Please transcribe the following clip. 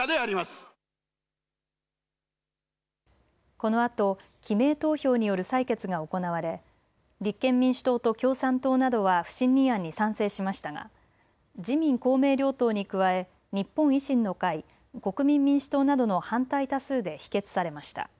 このあと、記名投票による採決が行われ立憲民主党と共産党などは不信任案に賛成しましたが自民・公明両党に加え日本維新の会国民民主党などの反対多数で否決されました。